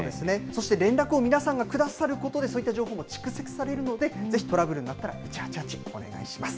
そして連絡を皆さんがくださることで、そういった情報が蓄積されるので、ぜひトラブルになったら、１８８お願いします。